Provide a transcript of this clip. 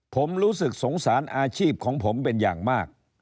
ผมรู้สึกสงสารอาชีพของผมเป็นอย่างมาก